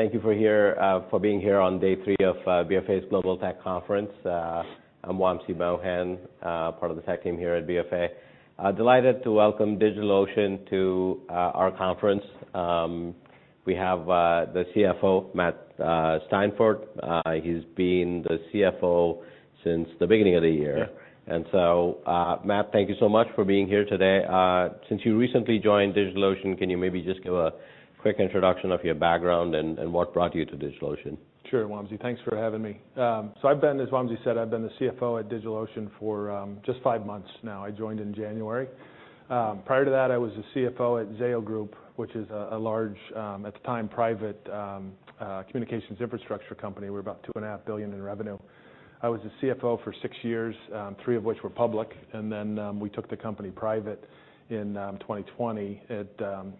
Thank you for here, for being here on day three of BofA's Global Tech Conference. I'm Wamsi Mohan, part of the tech team here at BofA. Delighted to welcome DigitalOcean to our conference. We have the CFO, Matt Steinfort. He's been the CFO since the beginning of the year. Yeah. Matt, thank you so much for being here today. Since you recently joined DigitalOcean, can you maybe just give a quick introduction of your background and what brought you to DigitalOcean? Sure, Wamsi. Thanks for having me. I've been, as Wamsi said, I've been the CFO at DigitalOcean for just five months now. I joined in January. Prior to that, I was the CFO at Zayo Group, which is a large, at the time, private, communications infrastructure company. We're about $2.5 billion in revenue. I was the CFO for six years, three of which were public. We took the company private in 2020 right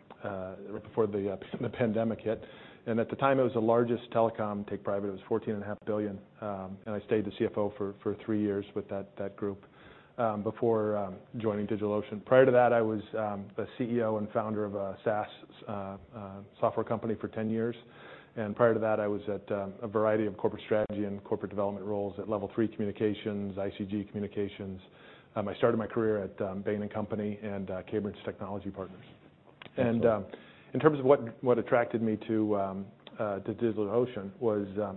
before the pandemic hit. At the time, it was the largest telecom take private. It was $14.5 billion, and I stayed the CFO for three years with that group before joining DigitalOcean. Prior to that, I was the CEO and founder of a SaaS software company for 10 years. Prior to that, I was at a variety of corporate strategy and corporate development roles at Level 3 Communications, ICG Communications. I started my career at Bain & Company and Cambridge Technology Partners. Excellent. In terms of what attracted me to DigitalOcean,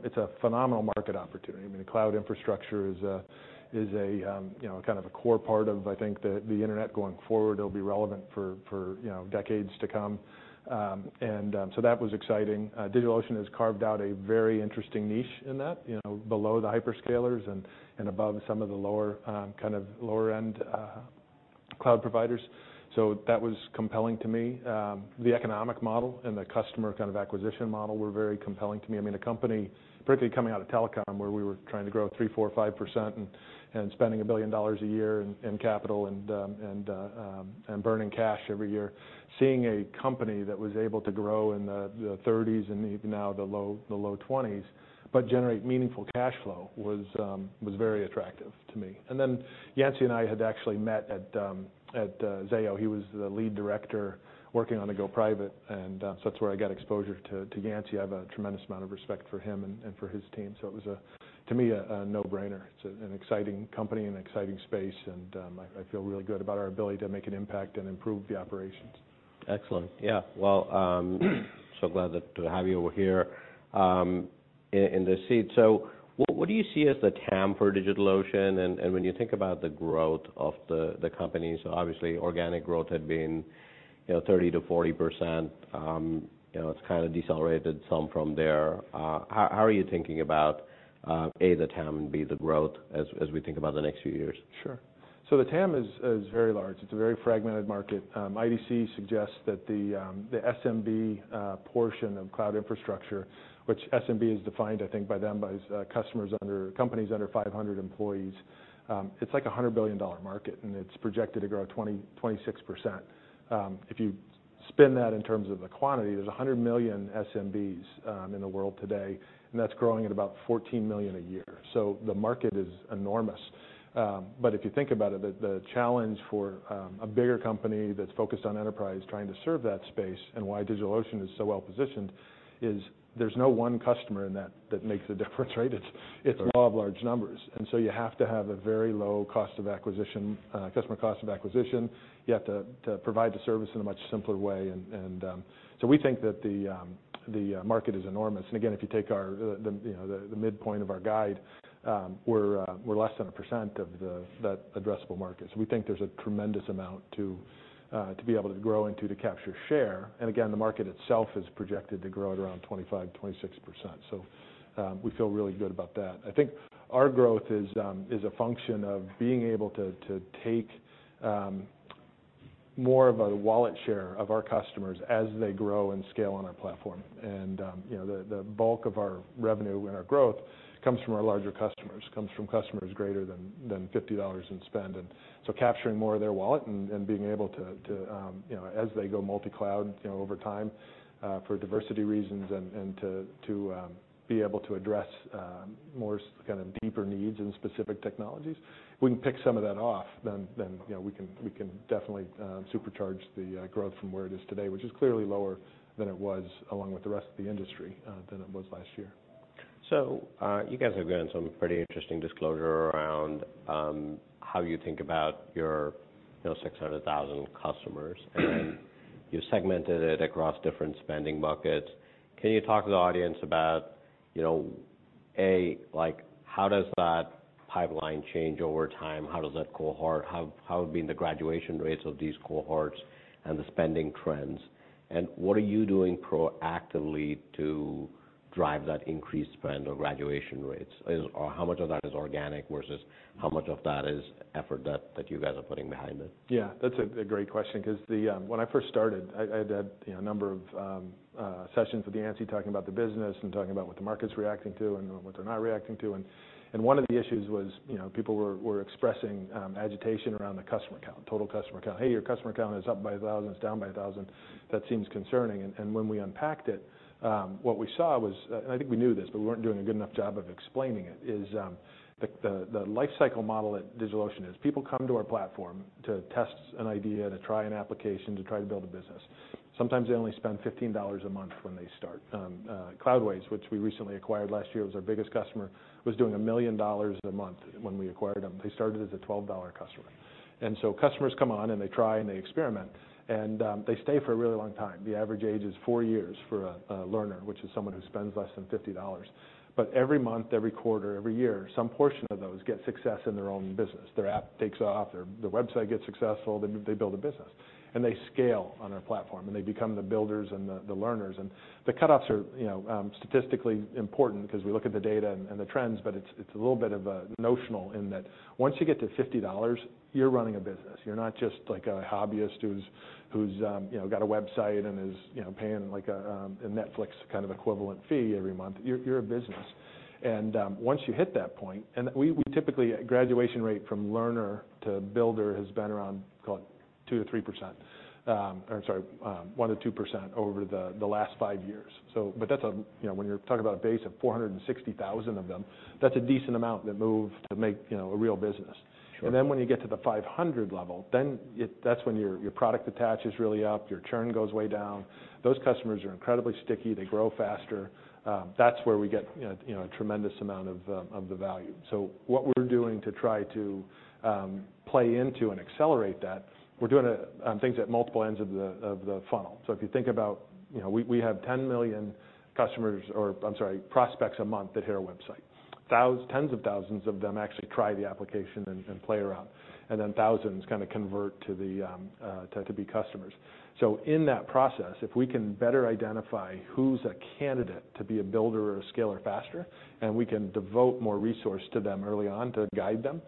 it's a phenomenal market opportunity. I mean, the cloud infrastructure is a, you know, kind of a core part of, I think, the internet going forward. It'll be relevant for, you know, decades to come. That was exciting. DigitalOcean has carved out a very interesting niche in that, you know, below the hyperscalers and above some of the lower, kind of lower-end, cloud providers. That was compelling to me. The economic model and the customer kind of acquisition model were very compelling to me. I mean, a company, particularly coming out of telecom, where we were trying to grow 3%, 4%, 5% and spending $1 billion a year in capital and burning cash every year. Seeing a company that was able to grow in the 30s and even now the low 20s, but generate meaningful cash flow, was very attractive to me. Yancey and I had actually met at Zayo. He was the lead director working on the go private, so that's where I got exposure to Yancey. I have a tremendous amount of respect for him and for his team. It was a, to me, a no-brainer. It's an exciting company and exciting space, and I feel really good about our ability to make an impact and improve the operations. Excellent. Yeah, well, so glad that to have you over here, in this seat. What do you see as the TAM for DigitalOcean? When you think about the growth of the company, obviously, organic growth had been, you know, 30%-40%. you know, it's kind of decelerated some from there. How are you thinking about, A, the TAM, and B, the growth, as we think about the next few years? Sure. The TAM is very large. It's a very fragmented market. IDC suggests that the SMB portion of cloud infrastructure, which SMB is defined, I think by them, by companies under 500 employees, it's like a $100 billion market, and it's projected to grow 20%-26%. If you spin that in terms of the quantity, there's 100 million SMBs in the world today, and that's growing at about 14 million a year. The market is enormous. But if you think about it, the challenge for a bigger company that's focused on enterprise, trying to serve that space and why DigitalOcean is so well positioned, is there's no one customer in that makes a difference, right? Right It's law of large numbers. You have to have a very low cost of acquisition, customer cost of acquisition. You have to provide the service in a much simpler way. We think that the market is enormous. Again, if you take our midpoint of our guide, we're less than a percent of that addressable market. We think there's a tremendous amount to be able to grow into, to capture share. Again, the market itself is projected to grow at around 25%-26%. We feel really good about that. I think our growth is a function of being able to take more of a wallet share of our customers as they grow and scale on our platform. You know, the bulk of our revenue and our growth comes from our larger customers, comes from customers greater than $50 in spend. Capturing more of their wallet and being able to, you know, as they go multi-cloud, you know, over time, for diversity reasons and to be able to address more kind of deeper needs in specific technologies, we can pick some of that off, then, you know, we can definitely supercharge the growth from where it is today, which is clearly lower than it was, along with the rest of the industry, than it was last year. You guys have given some pretty interesting disclosure around, how you think about your, you know, 600,000 customers, and you've segmented it across different spending buckets. Can you talk to the audience about, you know, A, like, how does that pipeline change over time? How does that cohort how have been the graduation rates of these cohorts and the spending trends? What are you doing proactively to drive that increased spend or graduation rates? Or how much of that is organic, versus how much of that is effort that you guys are putting behind it? Yeah, that's a great question 'cause the... When I first started, I'd had, you know, a number of sessions with Yancey, talking about the business and talking about what the market's reacting to and what they're not reacting to. One of the issues was, you know, people were expressing agitation around the customer count, total customer count. "Hey, your customer count is up by 1,000, it's down by 1,000." That seems concerning. When we unpacked it, what we saw was, and I think we knew this, but we weren't doing a good enough job of explaining it, is, the lifecycle model at DigitalOcean is: People come to our platform to test an idea, to try an application, to try to build a business. Sometimes they only spend $15 a month when they start. Cloudways, which we recently acquired last year, was our biggest customer, was doing $1 million a month when we acquired them. They started as a $12 customer. Customers come on, and they try, and they experiment, and they stay for a really long time. The average age is four years for a learner, which is someone who spends less than $50. Every month, every quarter, every year, some portion of those get success in their own business. Their app takes off, or their website gets successful, they build a business. They scale on our platform, and they become the builders and the learners. The cutoffs are, you know, statistically important because we look at the data and the trends, but it's a little bit of a notional in that once you get to $50, you're running a business. You're not just like a hobbyist who's, you know, got a website and is, you know, paying like a Netflix kind of equivalent fee every month. You're a business. Once you hit that point. We typically, a graduation rate from learner to builder has been around, call it 2%-3%, or sorry, 1%-2% over the last five years. That's a, you know, when you're talking about a base of 460,000 of them, that's a decent amount that move to make, you know, a real business. Sure. When you get to the 500 level, that's when your product attach is really up, your churn goes way down. Those customers are incredibly sticky. They grow faster. That's where we get, you know, a tremendous amount of the value. What we're doing to try to play into and accelerate that, we're doing things at multiple ends of the funnel. If you think about, you know, we have 10 million customers, or I'm sorry, prospects a month that hit our website. Tens of thousands of them actually try the application and play around, and then thousands kind of convert to be customers. In that process, if we can better identify who's a candidate to be a builder or a scaler faster, and we can devote more resource to them early on to guide them,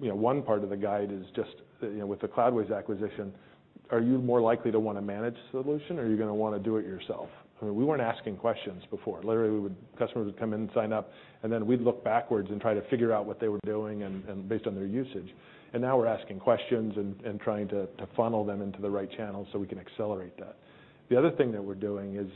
you know, one part of the guide is just, you know, with the Cloudways acquisition, are you more likely to want a managed solution, or are you gonna wanna do it yourself? I mean, we weren't asking questions before. Literally, customers would come in and sign up, and then we'd look backwards and try to figure out what they were doing and based on their usage. Now we're asking questions and trying to funnel them into the right channels so we can accelerate that. The other thing that we're doing is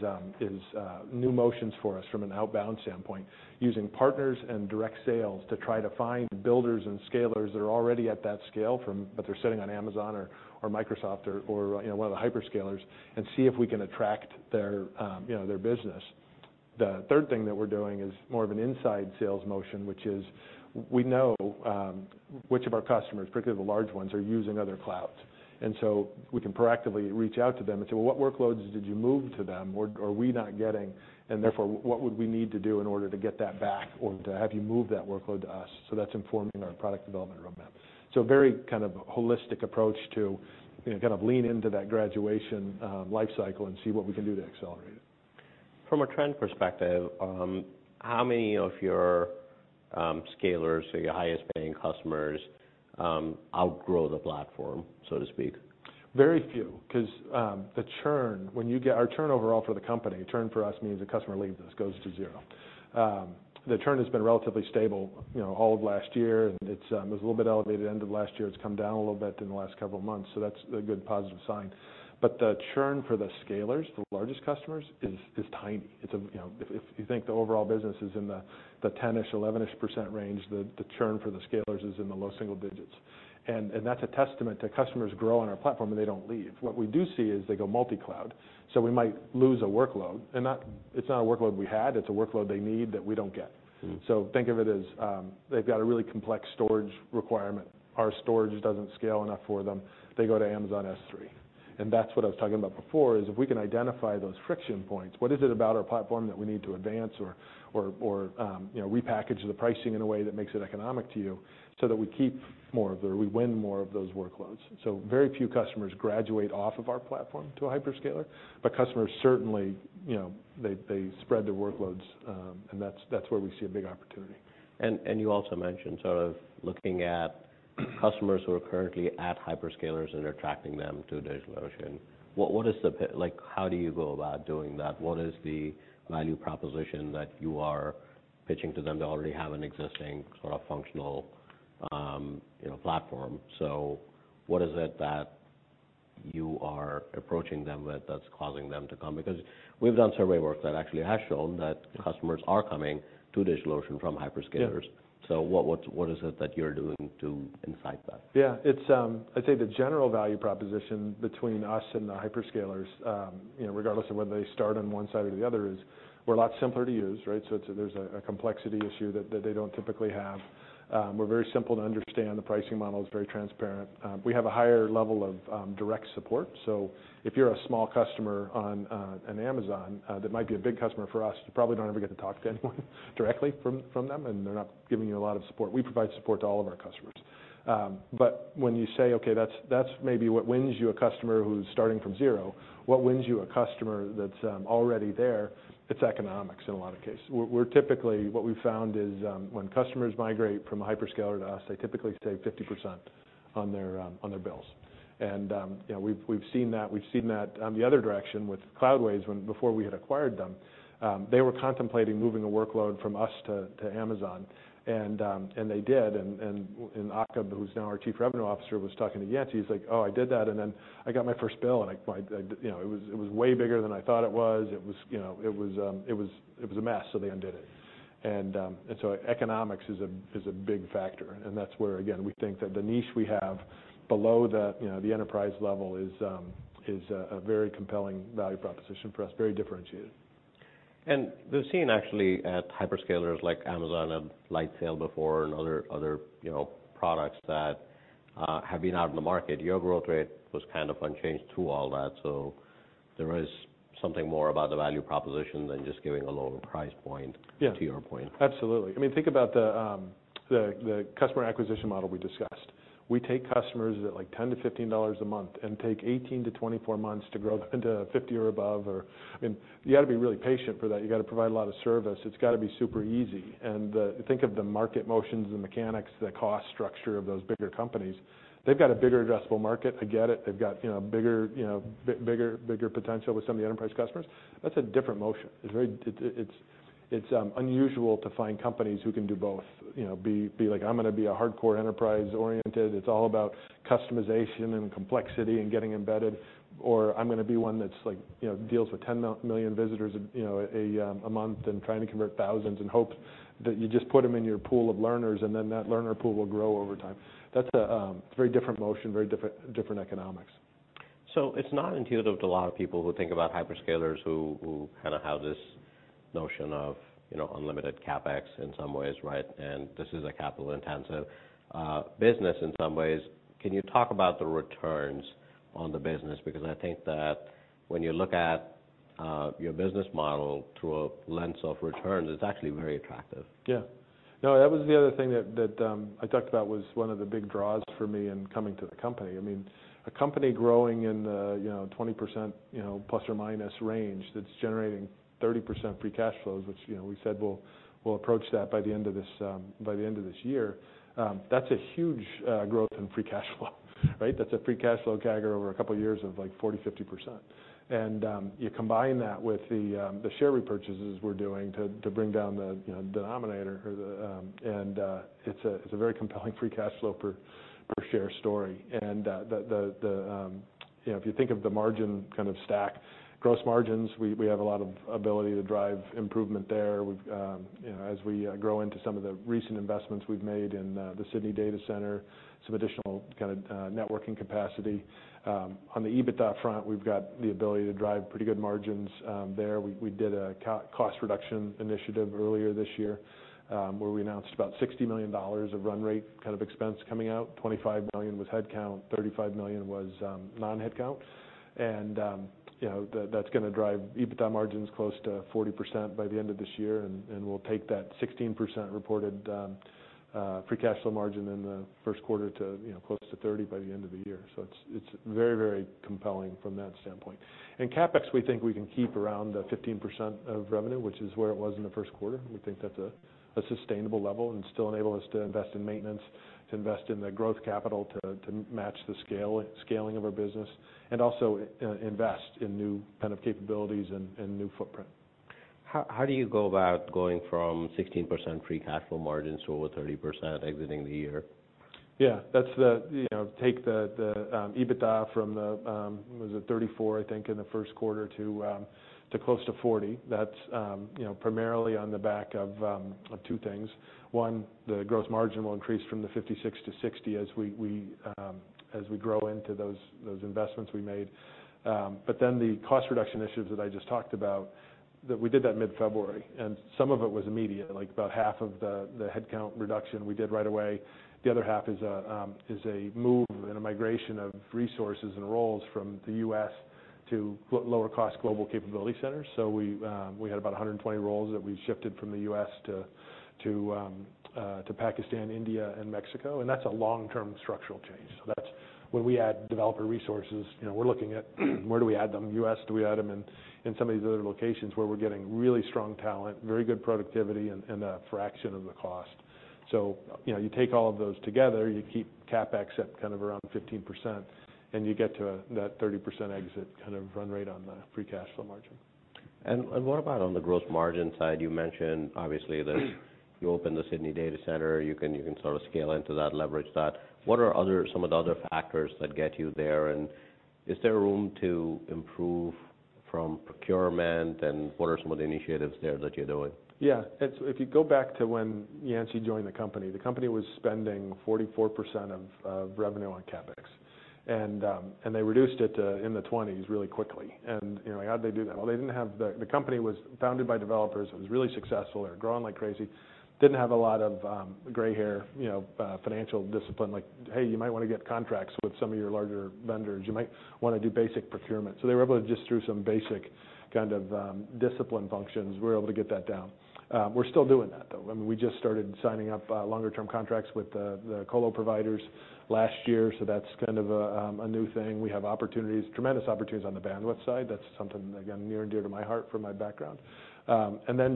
new motions for us from an outbound standpoint, using partners and direct sales to try to find builders and scalers that are already at that scale. They're sitting on Amazon or Microsoft or, you know, one of the hyperscalers, and see if we can attract their, you know, their business. The third thing that we're doing is more of an inside sales motion, which is we know which of our customers, particularly the large ones, are using other clouds. We can proactively reach out to them and say, "Well, what workloads did you move to them? What are we not getting? Therefore, what would we need to do in order to get that back or to have you move that workload to us?" That's informing our product development roadmap. Very kind of holistic approach to, you know, kind of lean into that graduation, life cycle and see what we can do to accelerate it. From a trend perspective, how many of your scalers or your highest-paying customers outgrow the platform, so to speak? Very few, cause our churn overall for the company, churn for us means a customer leaves us, goes to zero. The churn has been relatively stable, you know, all of last year, it was a little bit elevated end of last year. It's come down a little bit in the last couple of months. That's a good positive sign. The churn for the scalers, the largest customers, is tiny. If you think the overall business is in the 10-ish, 11-ish percent range, the churn for the scalers is in the low single digits. That's a testament to customers grow on our platform, and they don't leave. What we do see is they go multi-cloud. We might lose a workload. It's not a workload we had, it's a workload they need that we don't get. Mm. Think of it as, they've got a really complex storage requirement. Our storage doesn't scale enough for them, they go to Amazon S3. That's what I was talking about before, is if we can identify those friction points, what is it about our platform that we need to advance or, you know, repackage the pricing in a way that makes it economic to you so that we win more of those workloads? Very few customers graduate off of our platform to a hyperscaler, but customers certainly, you know, they spread their workloads, and that's where we see a big opportunity. You also mentioned sort of looking at customers who are currently at hyperscalers and attracting them to DigitalOcean. Like, how do you go about doing that? What is the value proposition that you are pitching to them? They already have an existing, sort of functional, you know, platform. What is it that you are approaching them with that's causing them to come? We've done survey work that actually has shown that customers are coming to DigitalOcean from hyperscalers. Yeah. What is it that you're doing to insight that? Yeah. It's, I'd say the general value proposition between us and the hyperscalers, you know, regardless of whether they start on one side or the other, is we're a lot simpler to use, right? It's a, there's a complexity issue that they don't typically have. We're very simple to understand. The pricing model is very transparent. We have a higher level of direct support. If you're a small customer on an Amazon, that might be a big customer for us, you probably don't ever get to talk to anyone directly from them, and they're not giving you a lot of support. We provide support to all of our customers. When you say, okay, that's maybe what wins you a customer who's starting from zero. What wins you a customer that's already there, it's economics in a lot of cases. What we've found is, when customers migrate from a hyperscaler to us, they typically save 50% on their bills. You know, we've seen that the other direction with Cloudways when, before we had acquired them. They were contemplating moving a workload from us to Amazon, and they did, and Aaqib, who's now our chief revenue officer, was talking to Yancey. He's like, oh, I did that, and then I got my first bill, and I, you know, it was way bigger than I thought it was. It was, you know, it was a mess, so they undid it. Economics is a big factor, and that's where, again, we think that the niche we have below the, you know, the enterprise level is a very compelling value proposition for us, very differentiated. We've seen actually at hyperscalers like Amazon and Lightsail before, and other, you know, products that have been out in the market, your growth rate was kind of unchanged through all that. There is something more about the value proposition than just giving a lower price point- Yeah to your point. Absolutely. I mean, think about the customer acquisition model we discussed. We take customers at, like, $10-$15 a month and take 18-24 months to grow them to $50 or above, or. I mean, you gotta be really patient for that. You gotta provide a lot of service. It's gotta be super easy. Think of the market motions, the mechanics, the cost structure of those bigger companies. They've got a bigger addressable market. I get it. They've got, you know, bigger, you know, bigger potential with some of the enterprise customers. That's a different motion. It's very, it's unusual to find companies who can do both. You know, be like, I'm gonna be a hardcore enterprise-oriented, it's all about customization and complexity and getting embedded, or I'm gonna be one that's like, you know, deals with 10 million visitors, you know, a month, and trying to convert thousands and hope that you just put them in your pool of learners, and then that learner pool will grow over time. That's a, it's a very different motion, very different economics. It's not intuitive to a lot of people who think about hyperscalers who kind of have this notion of, you know, unlimited CapEx in some ways, right? This is a capital-intensive business in some ways. Can you talk about the returns on the business? I think that when you look at your business model through a lens of returns, it's actually very attractive. Yeah. No, that was the other thing that I talked about, was one of the big draws for me in coming to the company. I mean, a company growing in the, you know, 20%, you know, plus or minus range, that's generating 30% free cash flows, which, you know, we said we'll approach that by the end of this, by the end of this year. That's a huge growth in free cash flow, right? That's a free cash flow CAGR over a couple of years of, like, 40%-50%. You combine that with the share repurchases we're doing to bring down the, you know, denominator. It's a very compelling free cash flow per share story. You know, if you think of the margin kind of stack, gross margins, we have a lot of ability to drive improvement there. We've, you know, as we grow into some of the recent investments we've made in the Sydney data center, some additional kind of networking capacity. On the EBITDA front, we've got the ability to drive pretty good margins there. We did a cost reduction initiative earlier this year, where we announced about $60 million of run rate, kind of, expense coming out. $25 million was headcount, $35 million was non-headcount. You know, that's gonna drive EBITDA margins close to 40% by the end of this year, and we'll take that 16% reported free cash flow margin in the first quarter to, you know, close to 30% by the end of the year. It's very, very compelling from that standpoint. CapEx, we think we can keep around the 15% of revenue, which is where it was in the first quarter. We think that's a sustainable level and still enable us to invest in maintenance, to invest in the growth capital, to match the scaling of our business, and also invest in new kind of capabilities and new footprint. How do you go about going from 16% free cash flow margins to over 30% exiting the year? Yeah, that's the, you know, take the EBITDA from the, was it 34%, I think, in the first quarter to close to 40%. That's, you know, primarily on the back of two things. One, the gross margin will increase from the 56% to 60% as we grow into those investments we made. The cost reduction initiatives that I just talked about, that we did that mid-February, and some of it was immediate. Like, about half of the headcount reduction we did right away. The other half is a move and a migration of resources and roles from the U.S. to lower-cost global capability centers. We had about 120 roles that we shifted from the U.S. to Pakistan, India and Mexico, and that's a long-term structural change. That's when we add developer resources, you know, we're looking at where do we add them? U.S.? Do we add them in some of these other locations where we're getting really strong talent, very good productivity, and a fraction of the cost. You know, you take all of those together, you keep CapEx at kind of around 15%, and you get to that 30% exit, kind of, run rate on the free cash flow margin. What about on the gross margin side? You mentioned, obviously, you opened the Sydney data center. You can sort of scale into that, leverage that. What are some of the other factors that get you there, and is there room to improve from procurement, and what are some of the initiatives there that you're doing? Yeah. If you go back to when Yancey joined the company, the company was spending 44% of revenue on CapEx, and they reduced it to in the 20s really quickly. You know, how'd they do that? Well, they didn't have the company was founded by developers. It was really successful. They were growing like crazy. Didn't have a lot of gray hair, you know, financial discipline. Like, "Hey, you might want to get contracts with some of your larger vendors. You might want to do basic procurement." They were able to just, through some basic kind of discipline functions, we were able to get that down. We're still doing that, though. I mean, we just started signing up longer term contracts with the colo providers last year, so that's kind of a new thing. We have opportunities, tremendous opportunities on the bandwidth side. That's something, again, near and dear to my heart from my background.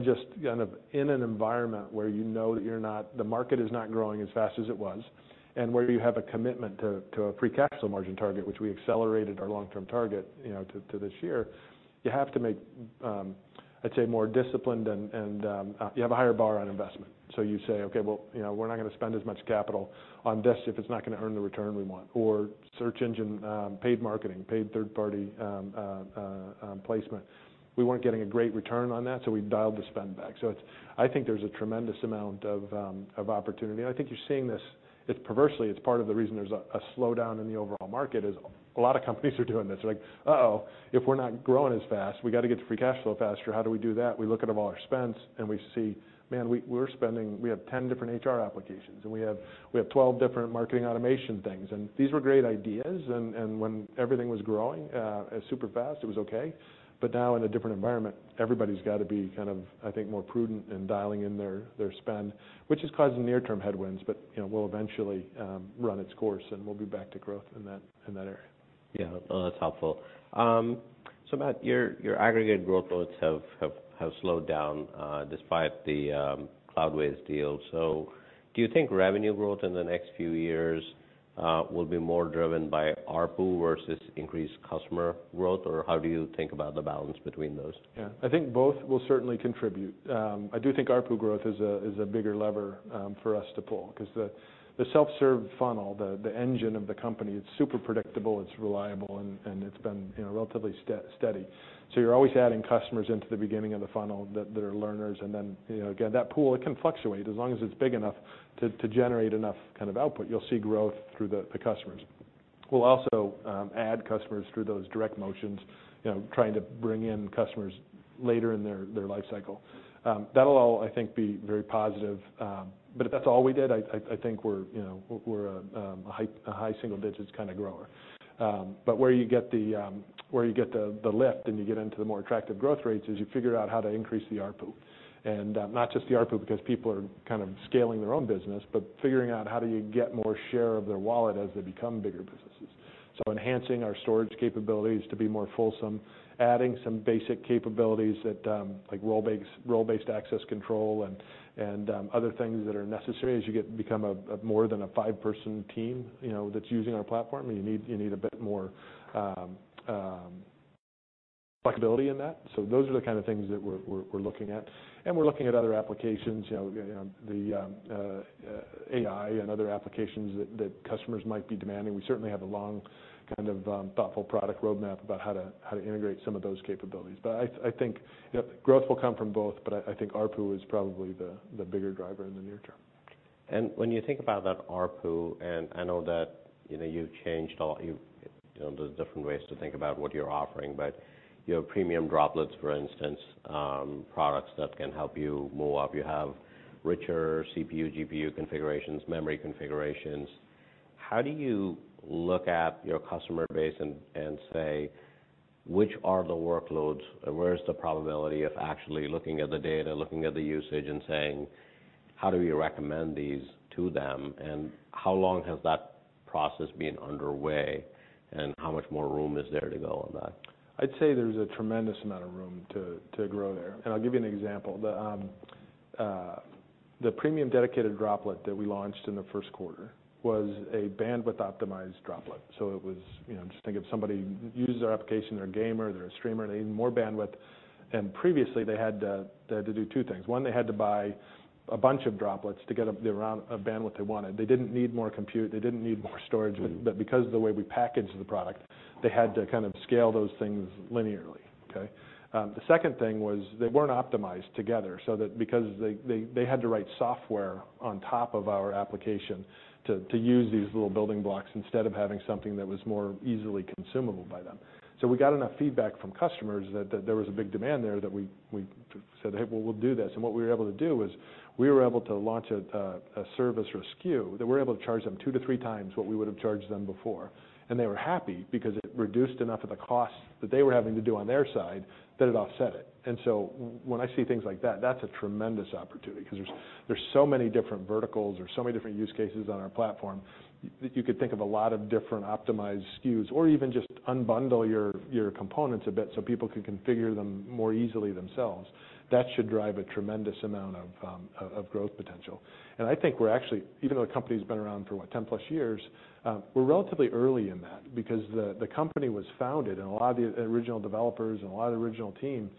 Just kind of in an environment where you know that the market is not growing as fast as it was, and where you have a commitment to a free cash flow margin target, which we accelerated our long-term target, you know, to this year, you have to make, I'd say, more disciplined and you have a higher bar on investment. You say, "Okay, well, you know, we're not gonna spend as much capital on this if it's not gonna earn the return we want," or search engine, paid marketing, paid third-party placement. We weren't getting a great return on that, we dialed the spend back. I think there's a tremendous amount of opportunity. I think you're seeing this. It's perversely, it's part of the reason there's a slowdown in the overall market, is a lot of companies are doing this. Like, "Uh-oh, if we're not growing as fast, we've got to get to free cash flow faster. How do we do that?" We look at all our spends and we see, man, we're spending, we have 10 different HR applications, and we have 12 different marketing automation things. These were great ideas, and when everything was growing, super fast, it was okay. Now in a different environment, everybody's got to be kind of, I think, more prudent in dialing in their spend, which is causing near-term headwinds, but, you know, will eventually, run its course, and we'll be back to growth in that, in that area. Yeah. Well, that's helpful. Matt, your aggregate growth loads have slowed down, despite the Cloudways deal. Do you think revenue growth in the next few years will be more driven by ARPU versus increased customer growth? Or how do you think about the balance between those? Yeah. I think both will certainly contribute. I do think ARPU growth is a bigger lever for us to pull, 'cause the self-serve funnel, the engine of the company, it's super predictable, it's reliable, and it's been, you know, relatively steady. You're always adding customers into the beginning of the funnel that are learners, and then, you know, again, that pool, it can fluctuate. As long as it's big enough to generate enough kind of output, you'll see growth through the customers. We'll also add customers through those direct motions, you know, trying to bring in customers later in their life cycle. That'll all, I think, be very positive. If that's all we did, I think we're, you know, we're a high single digits kind of grower. But where you get the, where you get the lift, and you get into the more attractive growth rates, is you figure out how to increase the ARPU. Not just the ARPU, because people are kind of scaling their own business, but figuring out how do you get more share of their wallet as they become bigger businesses. Enhancing our storage capabilities to be more fulsome, adding some basic capabilities that, like role-based access control and other things that are necessary as you become a, more than a 5-person team, you know, that's using our platform, you need a bit more flexibility in that. Those are the kind of things that we're looking at, and we're looking at other applications, you know, the, AI and other applications that customers might be demanding. We certainly have a long, kind of, thoughtful product roadmap about how to integrate some of those capabilities. I think, yep, growth will come from both, but I think ARPU is probably the bigger driver in the near term. When you think about that ARPU, and I know that, you know, you've changed you've, there's different ways to think about what you're offering, but your Premium Droplets, for instance, products that can help you move up. You have richer CPU, GPU configurations, memory configurations. How do you look at your customer base and say, which are the workloads, and where is the probability of actually looking at the data, looking at the usage, and saying, "How do we recommend these to them?" How long has that process been underway, and how much more room is there to go on that? I'd say there's a tremendous amount of room to grow there. I'll give you an example. The premium dedicated Droplet that we launched in the first quarter was a bandwidth-optimized Droplet. You know, just think if somebody uses our application, they're a gamer, they're a streamer, they need more bandwidth, and previously, they had to do two things. One, they had to buy a bunch of Droplets to get up the amount of bandwidth they wanted. They didn't need more compute, they didn't need more storage- Mm-hmm. Because of the way we packaged the product, they had to kind of scale those things linearly, okay? The second thing was they weren't optimized together, so that because they had to write software on top of our application to use these little building blocks instead of having something that was more easily consumable by them. We got enough feedback from customers that there was a big demand there, that we said, "Hey, well, we'll do this." What we were able to do was, we were able to launch a service or a SKU, that we're able to charge them two to three times what we would've charged them before. They were happy because it reduced enough of the cost that they were having to do on their side, that it offset it. When I see things like that's a tremendous opportunity, 'cause there's so many different verticals or so many different use cases on our platform, you could think of a lot of different optimized SKUs or even just unbundle your components a bit, so people can configure them more easily themselves. That should drive a tremendous amount of growth potential. I think we're actually even though the company's been around for what? 10+ years, we're relatively early in that because the company was founded, and a lot of the original developers and a lot of the original team,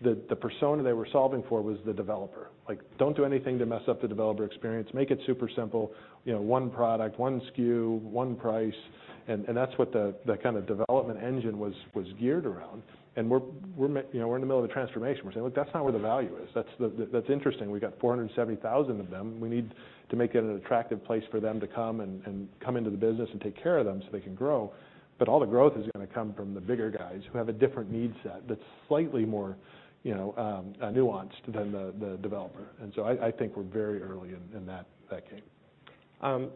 the persona they were solving for was the developer. Like, don't do anything to mess up the developer experience. Make it super simple, you know, one product, one SKU, one price. That's what the kind of development engine was geared around. We're you know, we're in the middle of a transformation. We're saying, "Look, that's not where the value is. That's interesting. We got 470,000 of them. We need to make it an attractive place for them to come and come into the business and take care of them so they can grow." All the growth is gonna come from the bigger guys, who have a different need set that's slightly more, you know, nuanced than the developer. I think we're very early in that game.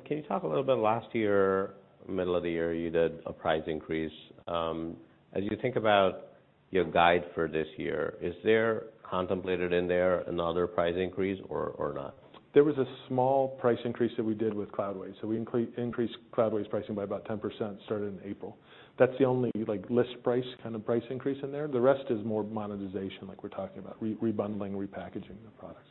Can you talk a little bit, last year, middle of the year, you did a price increase. As you think about your guide for this year, is there contemplated in there another price increase or not? We increased Cloudways' pricing by about 10%, started in April. That's the only, like, list price, kind of, price increase in there. The rest is more monetization, like we're talking about, re-bundling, repackaging the products.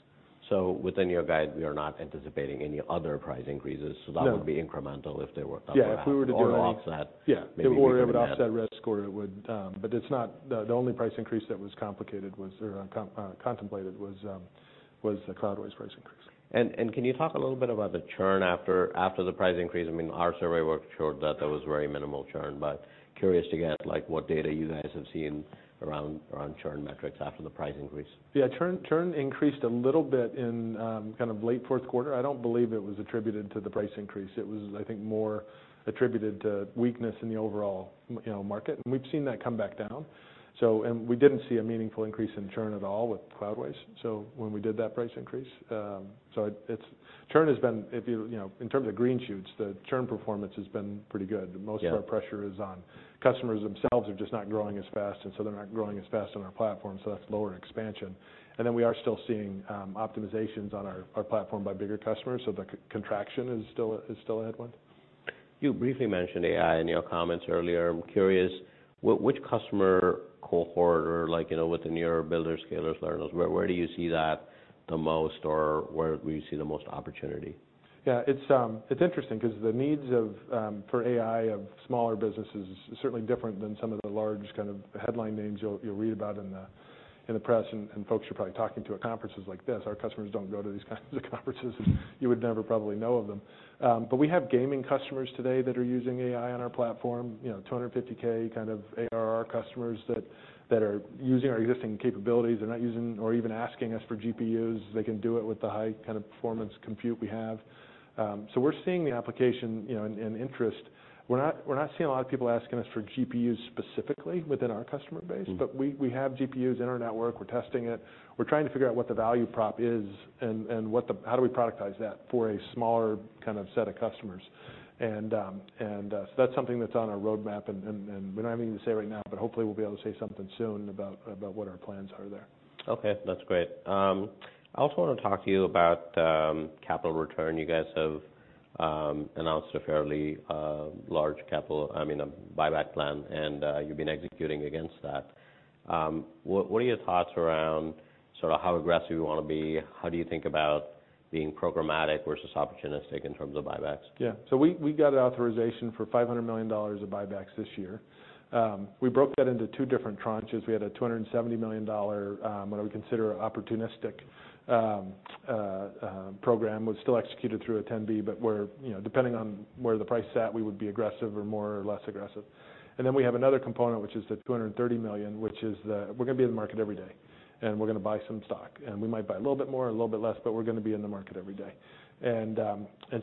Within your guide, we are not anticipating any other price increases. No. That would be incremental if they were... Yeah, if we were to do. Offset. Yeah. Maybe even that. It would offset risk, or it would. The only price increase that was complicated or contemplated was the Cloudways price increase. Can you talk a little bit about the churn after the price increase? I mean, our survey work showed that there was very minimal churn, but curious to get, like, what data you guys have seen around churn metrics after the price increase. Yeah, churn increased a little bit in kind of late fourth quarter. I don't believe it was attributed to the price increase. It was, I think, more attributed to weakness in the overall you know, market, we've seen that come back down. We didn't see a meaningful increase in churn at all with Cloudways, so when we did that price increase. Churn has been, if you know, in terms of green shoots, the churn performance has been pretty good. Yeah. Most of our pressure is on customers themselves are just not growing as fast, and so they're not growing as fast on our platform, so that's lower expansion. We are still seeing optimizations on our platform by bigger customers, so the contraction is still a headwind. You briefly mentioned AI in your comments earlier. I'm curious, which customer cohort or like, you know, within your builders, scalers, learners, where do you see that the most, or where do you see the most opportunity? Yeah, it's interesting because the needs of, for AI of smaller businesses is certainly different than some of the large kind of headline names you'll read about in the, in the press, and folks you're probably talking to at conferences like this. Our customers don't go to these kinds of conferences, and you would never probably know of them. We have gaming customers today that are using AI on our platform, you know, $250K kind of ARR customers that are using our existing capabilities. They're not using or even asking us for GPUs. They can do it with the high kind of performance compute we have. We're seeing the application, you know, and interest. We're not seeing a lot of people asking us for GPUs specifically within our customer base. Mm. We have GPUs in our network. We're testing it. We're trying to figure out what the value prop is and how do we productize that for a smaller kind of set of customers? That's something that's on our roadmap, and we don't have anything to say right now, but hopefully we'll be able to say something soon about what our plans are there. Okay, that's great. I also want to talk to you about capital return. You guys have announced a fairly large capital, I mean, a buyback plan, and you've been executing against that. What are your thoughts around sort of how aggressive you want to be? How do you think about being programmatic versus opportunistic in terms of buybacks? Yeah. We got an authorization for $500 million of buybacks this year. We broke that into two different tranches. We had a $270 million, what I would consider an opportunistic program, was still executed through a 10b, but where, you know, depending on where the price sat, we would be aggressive or more or less aggressive. We have another component, which is the $230 million, which is the we're gonna be in the market every day, and we're gonna buy some stock. We might buy a little bit more or a little bit less, but we're gonna be in the market every day.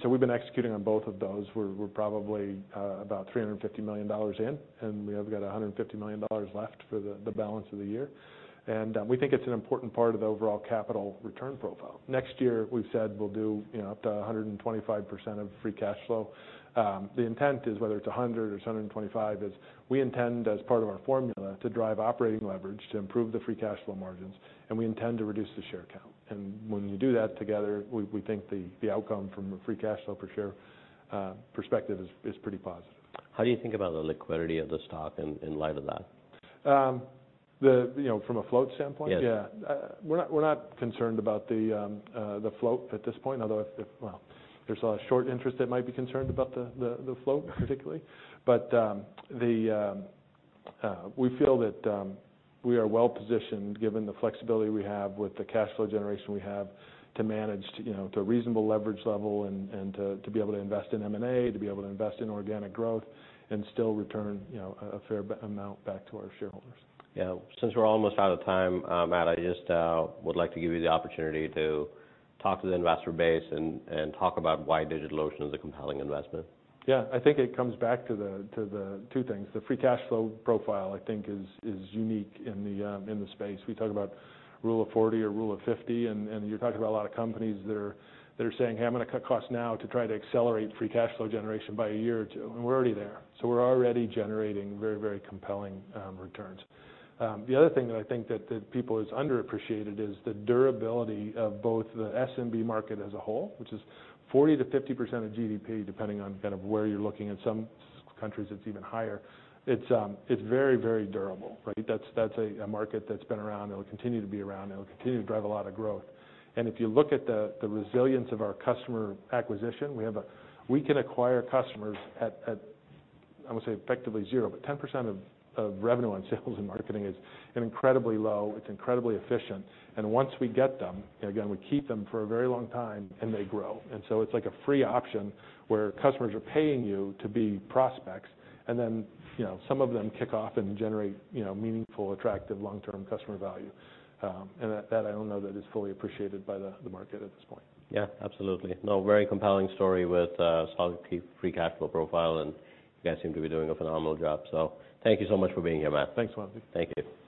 We've been executing on both of those. We're probably about $350 million in, we have got $150 million left for the balance of the year. We think it's an important part of the overall capital return profile. Next year, we've said we'll do, you know, up to 125% of free cash flow. The intent is, whether it's 100% or it's 125%, is we intend, as part of our formula, to drive operating leverage to improve the free cash flow margins, we intend to reduce the share count. When you do that together, we think the outcome from a free cash flow per share perspective is pretty positive. How do you think about the liquidity of the stock in light of that? The, you know, from a float standpoint? Yes. Yeah. We're not concerned about the float at this point, although if, well, there's a short interest that might be concerned about the float, particularly. We feel that we are well positioned, given the flexibility we have with the cash flow generation we have, to manage, you know, to a reasonable leverage level and to be able to invest in M&A, to be able to invest in organic growth, and still return, you know, a fair amount back to our shareholders. Yeah. Since we're almost out of time, Matt, I just would like to give you the opportunity to talk to the investor base and talk about why DigitalOcean is a compelling investment. Yeah. I think it comes back to the two things. The free cash flow profile, I think, is unique in the space. We talk about Rule of 40 or Rule of 50, you're talking about a lot of companies that are saying, "Hey, I'm gonna cut costs now to try to accelerate free cash flow generation by a year or two," and we're already there. We're already generating very compelling returns. The other thing that I think that people has underappreciated is the durability of both the SMB market as a whole, which is 40%-50% of GDP, depending on kind of where you're looking. In some countries, it's even higher. It's very durable, right? That's a market that's been around. It'll continue to be around, it'll continue to drive a lot of growth. If you look at the resilience of our customer acquisition, we can acquire customers at, I would say, effectively zero, but 10% of revenue on sales and marketing is incredibly low. It's incredibly efficient, and once we get them, again, we keep them for a very long time, and they grow. So it's like a free option, where customers are paying you to be prospects, and then, you know, some of them kick off and generate, you know, meaningful, attractive, long-term customer value. That, I don't know that is fully appreciated by the market at this point. Yeah, absolutely. No, very compelling story with a solid free cash flow profile, and you guys seem to be doing a phenomenal job. Thank you so much for being here, Matt. Thanks, Swati. Thank you.